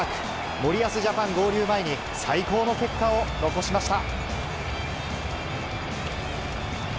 森保ジャパン合流前に、最高の結果を残しました。